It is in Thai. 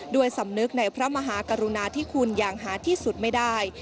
ด้วยสำนึกในพระมหากรุณาที่คุณอย่างหาที่สุดไม่ได้